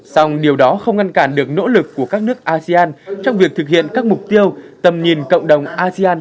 song điều đó không ngăn cản được nỗ lực của các nước asean trong việc thực hiện các mục tiêu tầm nhìn cộng đồng asean hai nghìn hai mươi năm